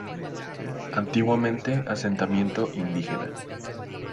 Antiguamente asentamiento indígena.